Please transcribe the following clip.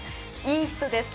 いい人です。